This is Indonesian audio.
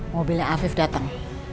mobilnya afif dateng